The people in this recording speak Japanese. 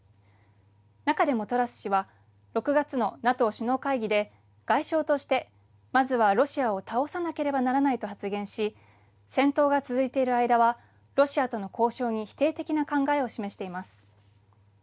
中でもトラス氏は６月のＮＡＴＯ首脳会議で外相としてまずはロシアを倒さなければならないと発言し戦闘が続いている間はロシアとの交渉に否定的な考えを示しています。